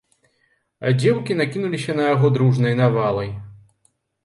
Дзеўкі накінуліся на яго дружнай навалай.